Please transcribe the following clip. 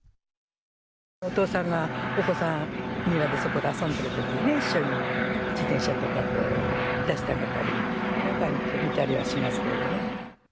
お父さんがお子さん、庭で遊んでるときに、一緒に、自転車とか出してあげてたり、見たりはしますけどね。